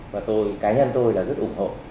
và cá nhân tôi rất ủng hộ